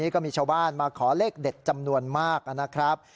ก็มีชาวบ้านมาขอเลขเด็ดจำนวนมากนะครับ